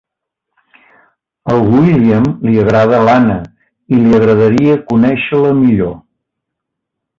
Al William li agrada l"Anna i li agradaria conèixer-la millor.